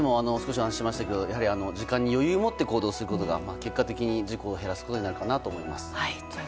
時間に余裕を持って行動することが結果的に事故を減らすことになると思います。